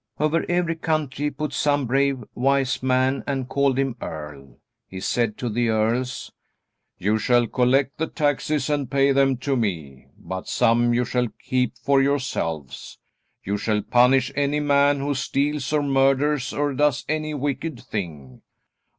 Over every country he put some brave, wise man and called him Earl. He said to the earls: "You shall collect the taxes and pay them to me. But some you shall keep for yourselves. You shall punish any man who steals or murders or does any wicked thing.